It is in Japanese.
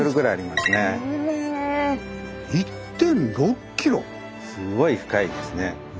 すごい深いですね。